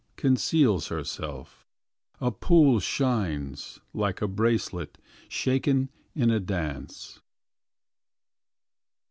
Conceals herself, A pool shines. Like a bracelet Shaken in a dance